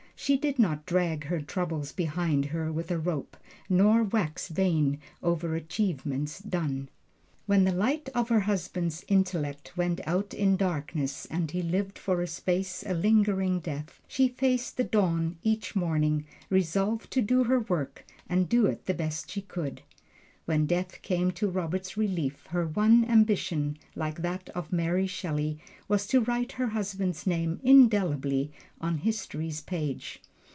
She did not drag her troubles behind her with a rope, nor wax vain over achievements done. When the light of her husband's intellect went out in darkness and he lived for a space a lingering death, she faced the dawn each morning, resolved to do her work and do it the best she could. When death came to Robert's relief, her one ambition, like that of Mary Shelley, was to write her husband's name indelibly on history's page.